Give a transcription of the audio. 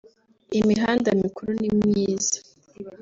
Imihanda mikuru ni myiza